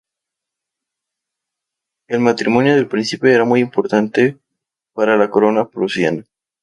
El matrimonio del príncipe era muy importante para la corona prusiana.